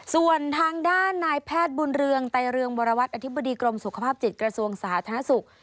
ส่วนทางด้านนายแพทย์บุญเรืองไตเรืองวรวัตรอธิบดีกรมสุขภาพจิตกระทรวงสาธารณสุข